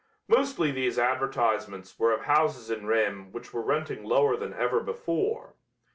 Mostly these advertisements were of houses in Rheims which were renting lower than ever before.